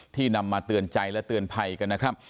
นำมาเตือนใจและเตือนภัยกันนะครับ